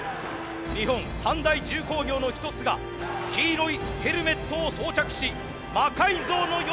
日本三大重工業の一つが黄色いヘルメットを装着し「魔改造の夜」